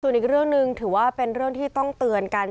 ส่วนอีกเรื่องหนึ่งถือว่าเป็นเรื่องที่ต้องเตือนกัน